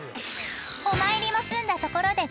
［お参りも済んだところで］